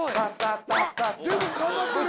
でも頑張ってる。